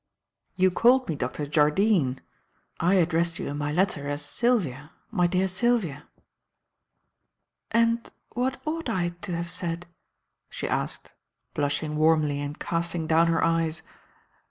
"You called me Dr. Jardine. I addressed you in my letter as 'Sylvia My dear Sylvia.'" "And what ought I to have said?" she asked, blushing warmly and casting down her eyes.